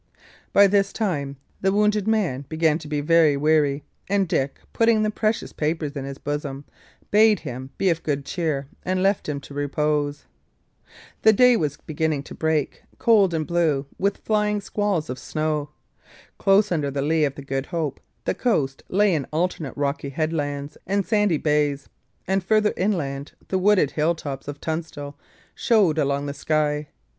By this time the wounded man began to be very weary; and Dick, putting the precious papers in his bosom, bade him be of good cheer, and left him to repose. The day was beginning to break, cold and blue, with flying squalls of snow. Close under the lee of the Good Hope, the coast lay in alternate rocky headlands and sandy bays; and further inland the wooded hill tops of Tunstall showed along the sky.